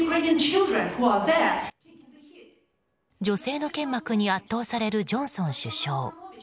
女性の剣幕に圧倒されるジョンソン首相。